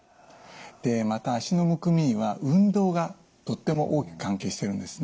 また脚のむくみには運動がとっても大きく関係してるんですね。